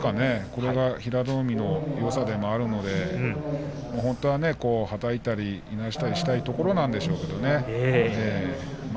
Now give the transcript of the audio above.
これが平戸海のよさでもあるので本当は、はたいたり、いなしたりしたいところなんでしょうけどね。